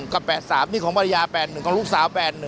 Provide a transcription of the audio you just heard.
กับ๘๓นี่ของภรรยา๘๑ของลูกสาว๘๑